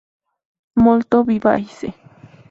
Molto vivace.